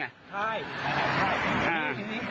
ใช่ใช่ใช่